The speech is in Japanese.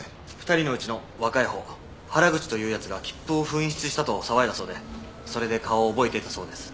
２人のうちの若い方原口という奴が切符を紛失したと騒いだそうでそれで顔を覚えていたそうです。